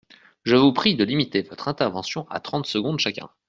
Je vous prie de limiter votre intervention à trente secondes chacun.